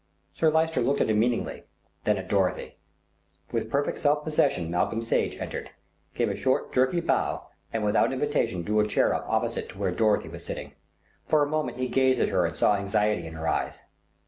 Sir Lyster looked at him meaningly, and then at Dorothy. With perfect self possession Malcolm Sage entered, gave a short, jerky bow, and without invitation drew a chair up opposite to where Dorothy was sitting. For a moment he gazed at her and saw the anxiety in her eyes.